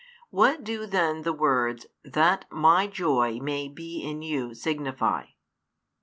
What do then the words that My joy may be in you signify?